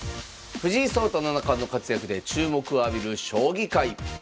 藤井聡太七冠の活躍で注目を浴びる将棋界。